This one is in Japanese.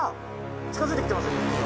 近づいてきてますよ